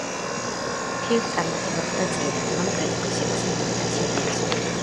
ფილმს წარმატება ხვდა წილად, მან კრიტიკოსთა მოწონება და ოსკარის ექვსი ნომინაცია დაიმსახურა.